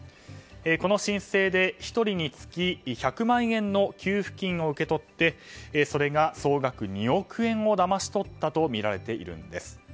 この申請で、１人につき１００万円の給付金を受け取ってそれで、総額２億円もだまし取ったとみられています。